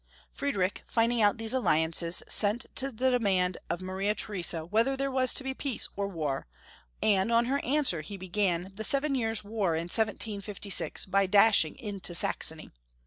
Friedrich, finding out these alliances, sent to de mand of Maria Theresa whether there was to be peace or war, and, on her answer, he began the Seven Years' War in 1756 by dashing into Saxony.